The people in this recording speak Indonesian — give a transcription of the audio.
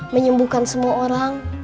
menyembuhkan semua orang